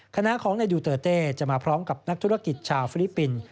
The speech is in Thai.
คณะของนายดูเตอร์เต้จะมาพร้อมกับนักธุรกิจชาวฟิลิปปินส์